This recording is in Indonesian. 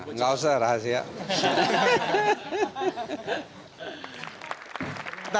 enggak usah rahasia